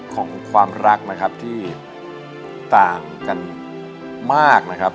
ของความรักนะครับที่ต่างกันมากนะครับ